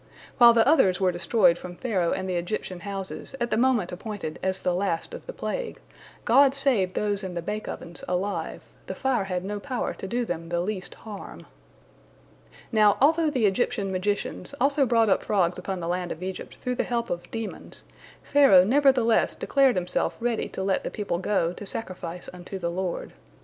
While the others were destroyed from Pharaoh and the Egyptian houses at the moment appointed as the last of the plague, God saved those in the bake ovens alive, the fire had no power to do them the least harm. Now, although the Egyptian magicians also brought up frogs upon the land of Egypt through the help of demons, Pharaoh nevertheless declared himself ready to let the people go, to sacrifice unto the Lord.